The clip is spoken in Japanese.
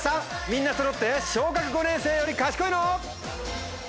みんなそろって小学５年生より賢いの？